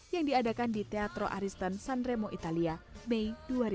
yang diadakan di teatro aristan sanremo italia mei dua ribu dua puluh